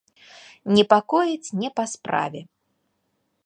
Непакояць не па справе.